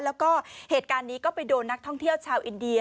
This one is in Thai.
แล้วก็เหตุการณ์นี้ก็ไปโดนนักท่องเที่ยวชาวอินเดีย